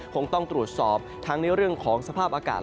คงต้องตรวจสอบทั้งในเรื่องของสภาพอากาศ